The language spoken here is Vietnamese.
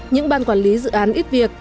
những ban quản lý dự án ít việc